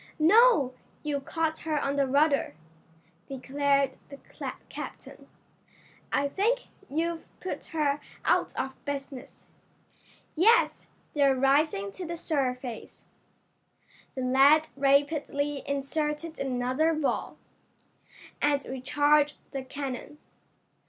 "No, you caught her on the rudder," declared the captain. "I think you've put her out of business. Yes, they're rising to the surface." The lad rapidly inserted another ball, and recharged the cannon.